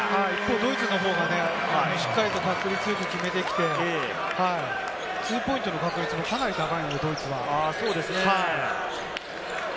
ドイツのほうがしっかりと確率よく決めてきて、ツーポイントの確率かなり高いです、ドイツは。